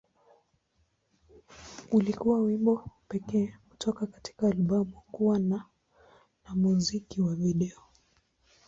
Ulikuwa wimbo pekee kutoka katika albamu kuwa na na muziki wa video.